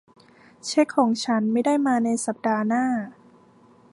เช็คของฉันไม่ได้มาในสัปดาห์หน้า